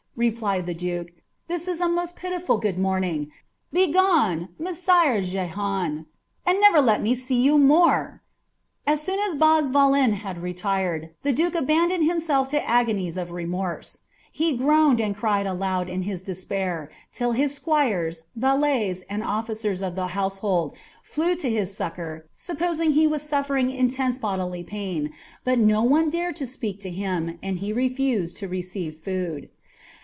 replied the dVike, ^ this is a most pitiful good morrow. Be* gone, Messire Jehan, and never let me see you more !" As soon as Bazvalen had retired, the duke abandoned himself to ago nies of remorse ; he groaned and cried aloud in his despair, till his ■quires, valets, and oflicera of the household, flew to his succour, sup posing he was suffering intense bodily pain, but no one dared to speak to him, and he refused to receive food.